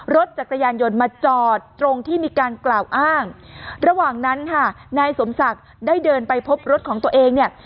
รถจักรยานยนต์มาจอดตรงที่มีการกล่าวอ้างระหว่างนั้นค่ะนายสมศักดิ์ได้เดินไปพบรถของตัวเองเนี่ย